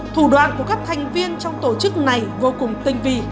thủ đoạn của các thành viên trong tổ chức này vô cùng tinh vị